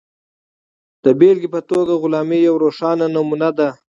د بېلګې په توګه غلامي یوه روښانه نمونه ده.